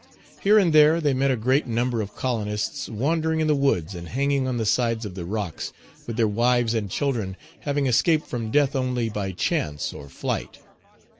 Here and there they met a great number of colonists wandering in the woods and hanging on the sides of the rocks, with their wives and children, having escaped from death only by chance or flight.